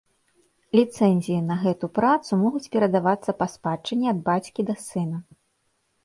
Ліцэнзіі на гэту працу могуць перадавацца па спадчыне ад бацькі да сына.